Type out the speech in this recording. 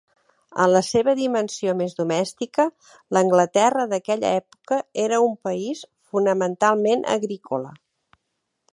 En la seva dimensió més domèstica, l'Anglaterra d'aquella època era un país fonamentalment agrícola.